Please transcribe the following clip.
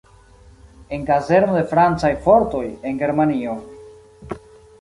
En kazerno de francaj fortoj, en Germanio.